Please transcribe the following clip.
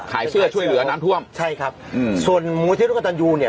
ขายเสื้อช่วยเหลือน้ำท่วมใช่ครับอืมส่วนมูลที่ร่วมกับตันยูเนี่ย